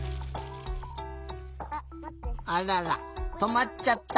あららとまっちゃった。